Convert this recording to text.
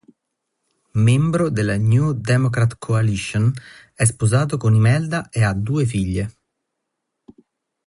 Membro della New Democrat Coalition, è sposato con Imelda e ha due figlie.